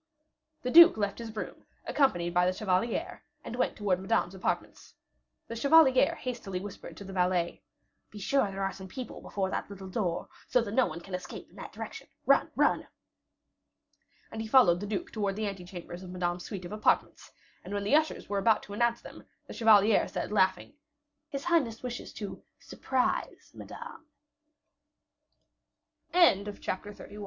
The duke left his room, accompanied by the chevalier and went towards Madame's apartments. The chevalier hastily whispered to the valet, "Be sure there are some people before that little door, so that no one can escape in that direction. Run, run!" And he followed the duke towards the ante chambers of Madame's suite of apartments, and when the ushers were about to announce them, the chevalier said, laughing, "His highness wishes to surprise Madame." Chapter XXXII. Monsieur is Jealous of Guiche.